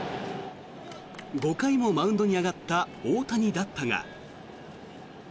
５回もマウンドに上がった大谷だったが。